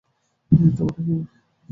তোমরা কি ভূতে বিশ্বাস করো?